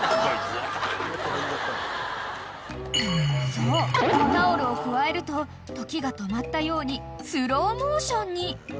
［そうタオルをくわえると時が止まったようにスローモーションに］